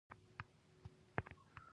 مګر کرار کرار یې درد او رنځ زیات شو.